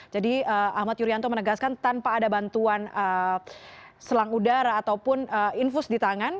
jadi ahmad yuryanto menegaskan tanpa ada bantuan selang udara ataupun infus di tangan